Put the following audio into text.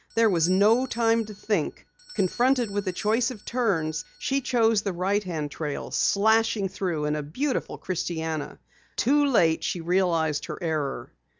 There was no time to think. Confronted with a choice of turns, she chose the right hand trail, slashing through in a beautiful christiana. Too late, she realized her error.